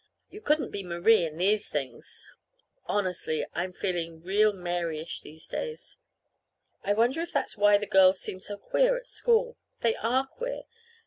You couldn't be Marie in these things. Honestly, I'm feeling real Maryish these days. I wonder if that's why the girls seem so queer at school. They are queer.